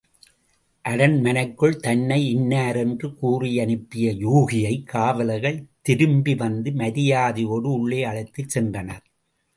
அரண்மனைக்குள் தன்னை இன்னாரென்று கூறியனுப்பிய யூகியைக் காவலர்கள் திரும்பி வந்து மரியாதையோடு உள்ளே அழைத்துச் சென்றனர்.